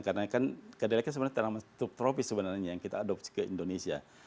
karena kedelai kan sebenarnya tanaman tropis sebenarnya yang kita adopt ke indonesia